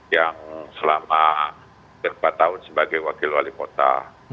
yang selama beberapa tahun sebagai wakil wali kota